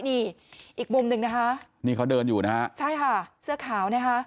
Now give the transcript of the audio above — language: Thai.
นี่อีกมุมหนึ่งนะคะนี่เขาเดินอยู่นะฮะใช่ค่ะเสื้อขาวนะคะ